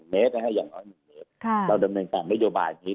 ๑เมตรอย่างน้อย๑เมตรเราดำเนินการโยบายอย่างนี้